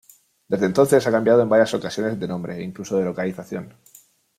Desde entonces ha cambiado en varias ocasiones de nombre e incluso de localización.